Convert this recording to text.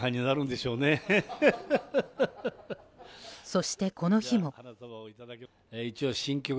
そして、この日も。